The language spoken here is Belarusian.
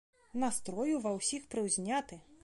Настрой ува ўсіх прыўзняты.